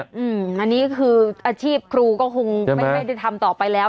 อันนี้คืออาชีพครูก็คงไม่ได้ทำต่อไปแล้ว